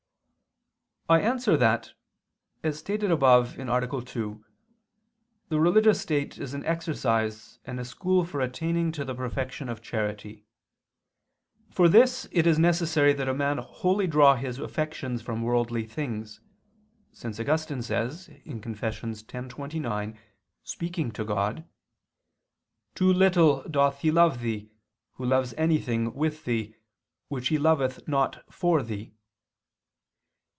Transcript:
I answer that, As stated above (A. 2), the religious state is an exercise and a school for attaining to the perfection of charity. For this it is necessary that a man wholly withdraw his affections from worldly things; since Augustine says (Confess. x, 29), speaking to God: "Too little doth he love Thee, who loves anything with Thee, which he loveth not for Thee."